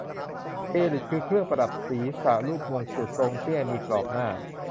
เทริด คือเครื่องประดับศรีษะรูปมงกุฎ ทรงเตี้ย มีกรอบหน้า